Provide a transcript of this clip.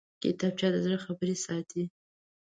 کتابچه د زړه خبرې ساتي